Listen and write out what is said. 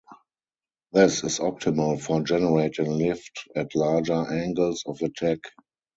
This is optimal for generating lift at larger angles of attack.